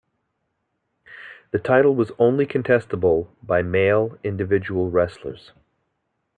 The title was only contestable by male individual wrestlers.